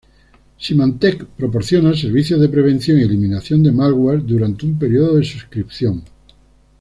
Symantec proporciona servicios de prevención y eliminación de malware durante un período de suscripción.